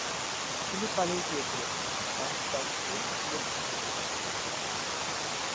তিনি পালিয়ে গিয়েছিলেন, কারণ তার স্ত্রী ছিলেন ইহুদি।